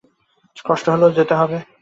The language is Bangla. হ্যাঁ, কষ্ট হলেও যেতে হবে।